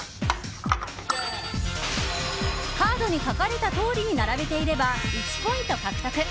カードに書かれたとおりに並べていれば１ポイント獲得！